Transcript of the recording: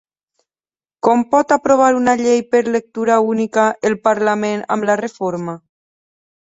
Com pot aprovar una llei per lectura única el parlament amb la reforma?